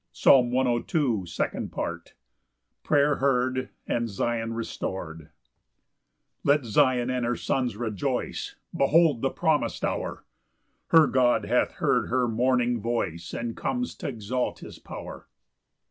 Psalm 102:2. 13 21. Second Part. Prayer heard and Zion restored. 1 Let Zion and her sons rejoice, Behold the promis'd hour; Her God hath heard her mourning voice, And comes t' exalt his power.